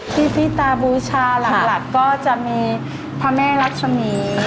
ที่พี่ตาบูชาหลักก็จะมีพระแม่รักษมี